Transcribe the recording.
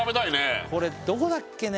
これどこだっけね